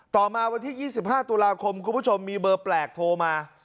ต่อมาวันที่๒๕ตุลาคมคุณผู้ชมมีเบอร์แปลกโทรมา